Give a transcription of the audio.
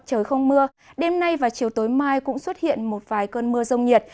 trời không mưa đêm nay và chiều tối mai cũng xuất hiện một vài cơn mưa rông nhiệt